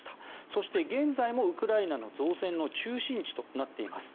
そして、現在もウクライナの造船の中心地となっています。